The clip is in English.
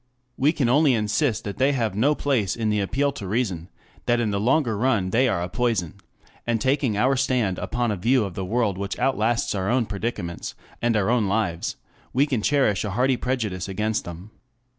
We can only insist that they have no place in the appeal to reason, that in the longer run they are a poison; and taking our stand upon a view of the world which outlasts our own predicaments, and our own lives, we can cherish a hearty prejudice against them.